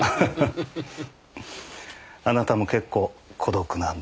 あなたも結構孤独なんですね。